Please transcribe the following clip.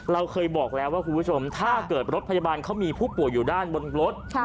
เราเคยบอกแล้วว่าคุณผู้ชมถ้าเกิดรถพยาบาลเขามีผู้ป่วยอยู่ด้านบนรถ